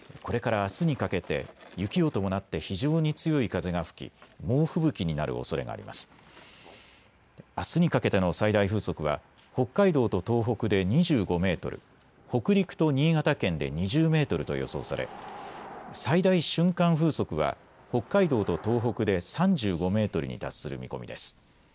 あすにかけての最大風速は北海道と東北で２５メートル、北陸と新潟県で２０メートルと予想され最大瞬間風速は北海道と東北で３５メートルに達する見込みです。